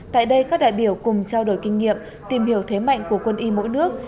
tại đây các đại biểu cùng trao đổi kinh nghiệm tìm hiểu thế mạnh của quân y mỗi nước